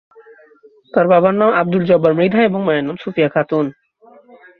তার বাবার নাম আবদুল জব্বার মৃধা এবং মায়ের নাম সুফিয়া খাতুন।